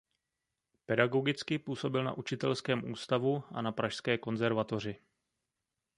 Pedagogicky působil na učitelském ústavu a na Pražské konzervatoři.